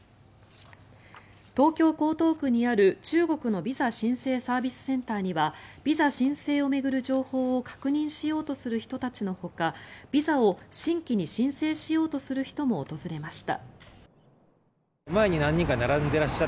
東京・江東区にある、中国のビザ申請サービスセンターにはビザ申請を巡る情報を確認しようとする人たちのほかビザを新規に申請しようとする人も訪れました。